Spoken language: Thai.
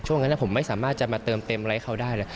วันนั้นผมไม่สามารถจะมาเติมเต็มอะไรเขาได้เลย